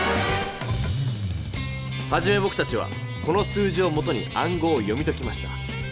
はじめぼくたちはこの数字をもとにあんごうを読みときました。